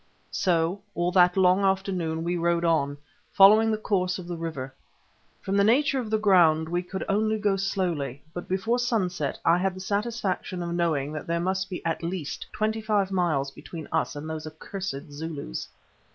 So all that long afternoon we rode on, following the course of the river. From the nature of the ground we could only go slowly, but before sunset I had the satisfaction of knowing that there must be at least twenty five miles between us and those accursed Zulus.